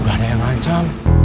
gak ada yang ancam